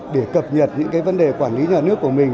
để cập nhật những cái vấn đề quản lý nhà nước của mình